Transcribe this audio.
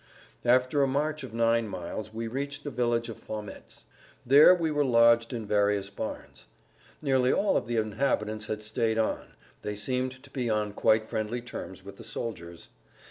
After a march of nine miles we reached the village of Fametz. There we were lodged in various barns. Nearly all of the inhabitants had stayed on; they seemed to be on quite friendly terms with the soldiers.